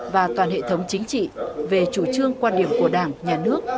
và toàn hệ thống chính trị về chủ trương quan điểm của đảng nhà nước